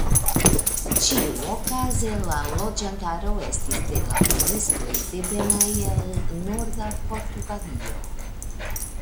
Ĉiuokaze la loĝantaro estis de laboristoj devenaj el norda Portugalio.